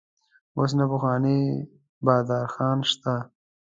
اوس نه پخوانی بادر خان شته.